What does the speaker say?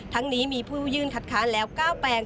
ทั้งนี้มีผู้ยื่นคัดค้านแล้ว๙แปลง